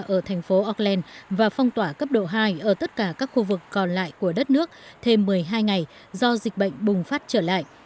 ở thành phố auckland và phong tỏa cấp độ hai ở tất cả các khu vực còn lại của đất nước thêm một mươi hai ngày do dịch bệnh bùng phát trở lại